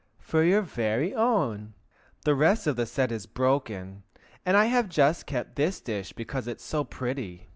"For your very own. The rest of the set is broken, and I have just kept this dish because it is so pretty.